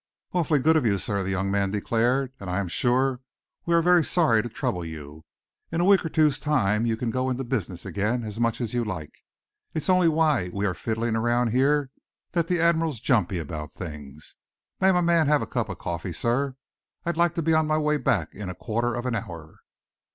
"Awfully good of you, sir," the young man declared, "and I am sure we are very sorry to trouble you. In a week or two's time you can go into business again as much as you like. It's only while we are fiddling around here that the Admiral's jumpy about things. May my man have a cup of coffee, sir? I'd like to be on the way back in a quarter of an hour."